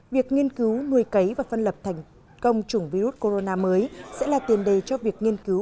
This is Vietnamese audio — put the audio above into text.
việc nghiên cứu nuôi cấy và phân lập thành công chủng virus corona mới sẽ là tiền đề cho việc nghiên cứu